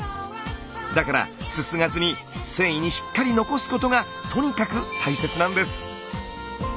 だからすすがずに繊維にしっかり残すことがとにかく大切なんです。